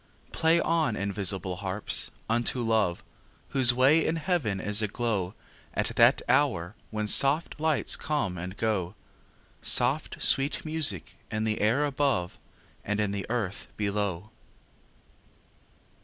Play on, invisible harps, unto Love, Whose way in heaven is aglow At that hour when soft lights come and go, Soft sweet music in the air above And in the earth below.